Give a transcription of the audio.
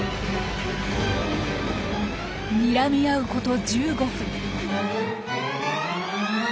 にらみ合うこと１５分。